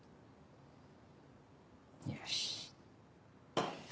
よし。